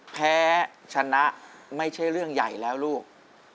แพ้ชนะไม่ใช่เรื่องใหญ่แล้วลูก